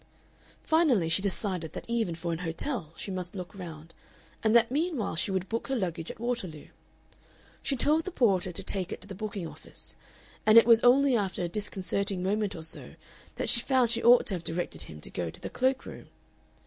Finally she decided that even for an hotel she must look round, and that meanwhile she would "book" her luggage at Waterloo. She told the porter to take it to the booking office, and it was only after a disconcerting moment or so that she found she ought to have directed him to go to the cloak room.